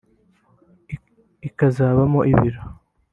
ikazabamo ibiro